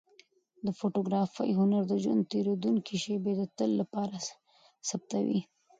د فوتوګرافۍ هنر د ژوند تېرېدونکې شېبې د تل لپاره ثبتوي.